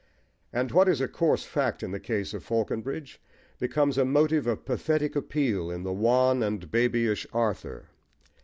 And what is a coarse fact in the case of Faulconbridge becomes a motive of pathetic appeal in the wan and babyish Arthur.